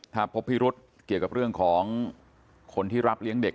ถ้าพบพิรุษเกี่ยวกับเรื่องของคนที่รับเลี้ยงเด็ก